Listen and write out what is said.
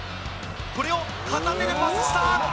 これを片手でパスした！